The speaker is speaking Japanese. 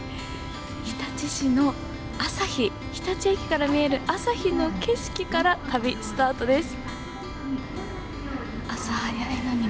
日立市の朝日日立駅から見える朝日の景色から旅、スタートです！